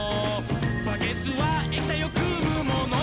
「バケツは液体をくむもの」